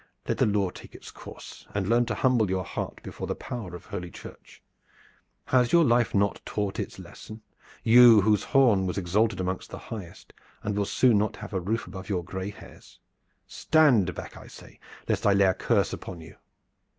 Let the law take its course, and learn to humble your heart before the power of Holy Church. Has your life not taught its lesson, you, whose horn was exalted among the highest and will soon not have a roof above your gray hairs? Stand back, I say, lest I lay a curse upon you!"